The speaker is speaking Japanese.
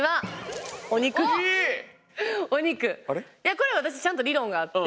これ私ちゃんと理論があって。